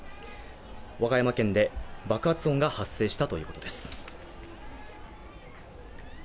和歌山県で爆発音が発生したということです。